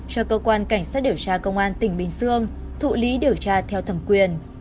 cho cơ quan cảnh sát điều tra công an tỉnh bình dương thụ lý điều tra theo thẩm quyền